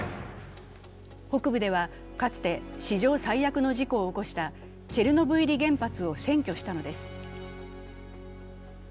北部では、かつて史上最悪の事故を起こしたチェルノブイリ原発を占拠したのです。